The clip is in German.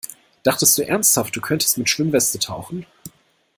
Dachtest du ernsthaft, du könntest mit Schwimmweste tauchen?